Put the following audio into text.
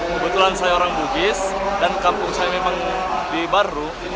kebetulan saya orang bugis dan kampung saya memang di baru